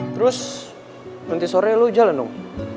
terus nanti sore lo jalan dong